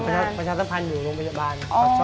เป็นผู้นำประชาติภัณฑ์อยู่โรงพยาบาล